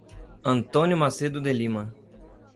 Antônio Macedo de Lima